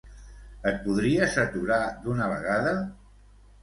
Et podries aturar d'una vegada?